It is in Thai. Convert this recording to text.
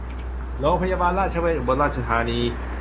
โรงพยาบาลราชเวชอุบลราชธานี